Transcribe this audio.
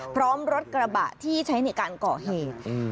พร้อมรถกระบะที่ใช้ในการก่อเหตุ